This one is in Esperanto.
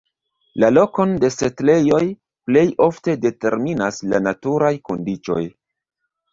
La lokon de setlejoj plej ofte determinas la naturaj kondiĉoj.